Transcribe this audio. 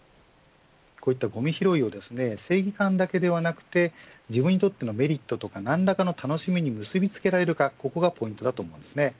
こういったごみ拾いを正義感だけではなくて自分にとってのメリットとか何らかの楽しみに結びつけられるかここがポイントだと思います。